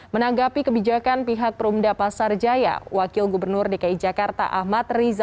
menanggapi kebijakan pihak perumda pasar jaya wakil gubernur dki jakarta ahmad riza